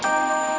apa elu kan